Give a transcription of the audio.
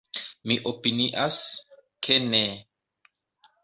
Mi opinias, ke ne.